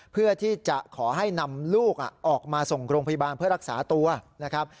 เพื่อที่จะขอให้นำลูกออกมาส่งโรงพยาบาลเพื่อรักษาตัวนะครับ